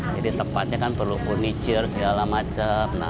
jadi tempatnya kan perlu furniture segala macam